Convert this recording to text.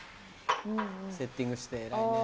セッティングして偉いね。